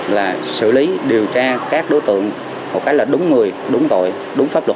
là xử lý điều tra các đối tượng một cách là đúng người đúng tội đúng pháp luật